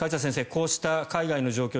こうした海外の状況